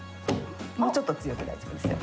もうちょっと強く大丈夫ですよ。